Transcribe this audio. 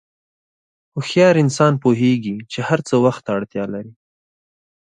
هوښیار انسان پوهېږي چې هر څه وخت ته اړتیا لري.